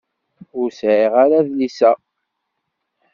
Ur sɛiɣ ara adlis-a.